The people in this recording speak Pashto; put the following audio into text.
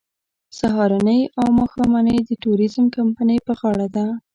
سهارنۍ او ماښامنۍ د ټوریزم کمپنۍ په غاړه ده.